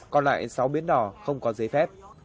còn lại sáu bến đỏ không có giấy phép